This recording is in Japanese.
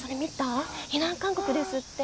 避難勧告ですって。